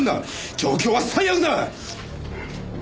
状況は最悪だ！